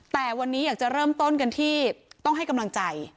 แต่วันนี้อยากจะเริ่มต้นกันที่ต้องให้กำลังใจ